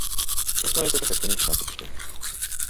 Prosklené jsou také stěny za nástupištěm.